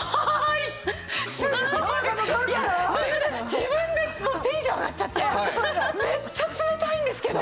自分でもうテンション上がっちゃってめっちゃ冷たいんですけど。